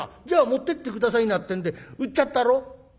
『じゃあ持ってって下さいな』ってんで売っちゃったろ」。